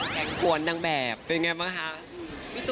แข็งหวนนางแบบเป็นอย่างไรบ้างคะ